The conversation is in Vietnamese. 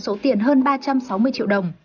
số tiền hơn ba trăm sáu mươi triệu đồng